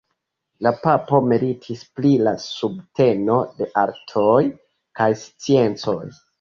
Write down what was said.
La papo meritis pri la subteno de artoj kaj sciencoj.